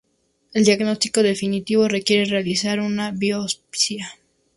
El diagnóstico definitivo requiere realizar una biopsia.